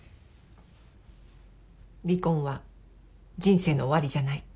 離婚は人生の終わりじゃない。